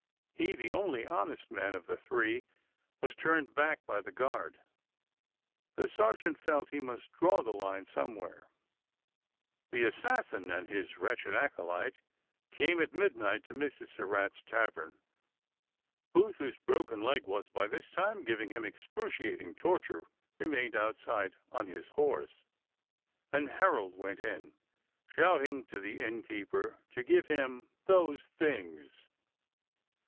He, the only honest man of the three, was turned back by the guard — the sergeant felt he must draw the line somewhere. The assassin and his wretched acolyte came at midnight to Mrs. Surratt's tavern. Booth, whose broken leg was by this time giving him excruciat ing torture, remained outside on his horse, and Herold went in, shouting to the inn keeper to give him "those things."